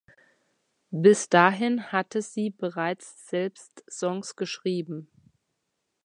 Bis dahin hatte sie bereits selbst Songs geschrieben.